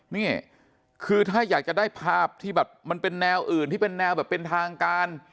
นี่คือถ้าอยากจะได้ภาพที่แบบมันเป็นแนวอื่นที่เป็นแนวแบบเป็นทางการ